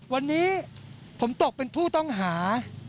วันนี้ผมตกเป็นผู้ต้องหา